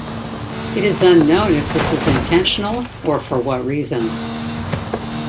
It is unknown if this is intentional, or for what reason.